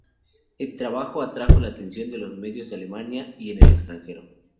El trabajo atrajo la atención de los medios en Alemania y en el extranjero.